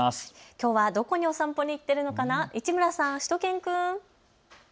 きょうはどこにお散歩に行っているのかな、市村さん、しゅと犬くん。